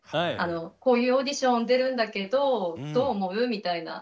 こういうオーディション出るんだけどどう思う？みたいな。